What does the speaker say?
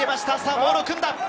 モールを組んだ。